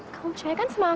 kamu percaya kan sama aku